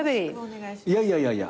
いやいやいやいや。